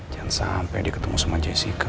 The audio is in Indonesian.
jangan sampai diketemu sama jessica